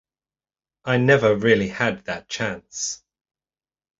I never really had that chance.